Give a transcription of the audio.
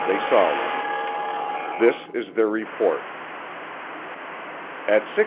they saw one. This is their report: At 6:33P.